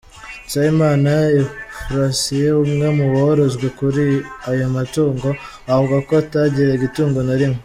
Dusabimana Euphrasie, umwe mu borojwe kuri ayo matungo, avuga ko atagiraga itungo na rimwe.